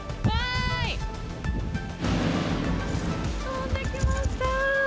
飛んできました。